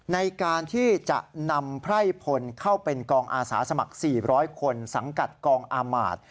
ในการที่จะนำไพร่พลเข้าเป็นกองอาสาสมัคร๔๐๐คนสังกัดกองอามาตย์